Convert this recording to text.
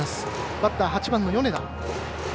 バッター、８番の米田。